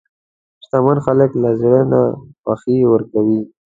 شتمن خلک له زړه نه خوښي ورکوي.